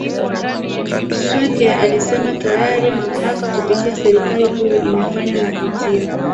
Sweke alisema tayari mamlaka kupitia Serikali kuu imefanya mapitio